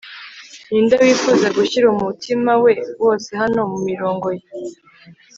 ninde wifuza gushyira umutima we wose hano mumirongo ye